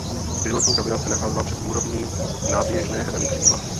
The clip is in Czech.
Pilotní kabina se nacházela před úrovní náběžné hrany křídla.